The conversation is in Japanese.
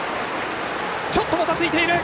ちょっともたついている。